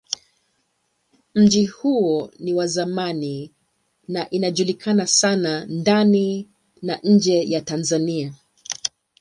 Mji huo ni wa zamani na ilijulikana sana ndani na nje ya Tanzania.